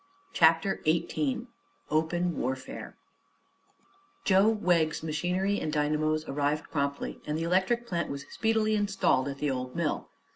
CHAPTER XVIII OPEN WARFARE Joe Wegg's machinery and dynamos arrived promptly and the electric plant was speedily installed at the old mill.